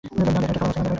না, দেখো, এটা খোলা আছে।